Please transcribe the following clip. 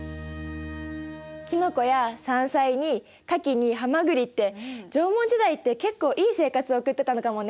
キノコや山菜にカキにハマグリって縄文時代って結構いい生活を送ってたのかもね。